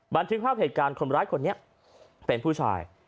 บันทึกภาพเหตุการณ์คนร้ายคนนี้เป็นผู้ชาย